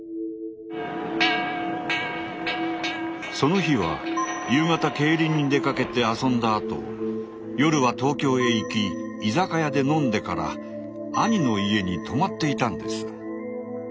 その日は夕方競輪に出かけて遊んだあと夜は東京へ行き居酒屋で飲んでから兄の家に泊まっていたんです。